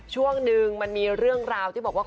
ช่วงนึงมันมีเรื่องราวที่บอกว่า